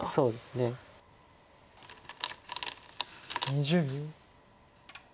２０秒。